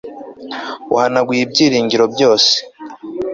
wahanaguye ibyiringiro byose